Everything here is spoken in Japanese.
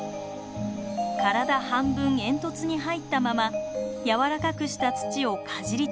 体半分煙突に入ったままやわらかくした土をかじり取ります。